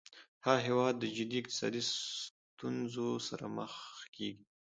هغه هیواد د جدي اقتصادي ستونځو سره مخامخ کیږي